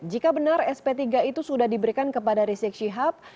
jika benar sp tiga itu sudah diberikan kepada rizik syihab